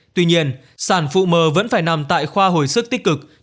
tuy nhiên sản phụ mờ vẫn phải nằm tại khoa hồi sức tích cực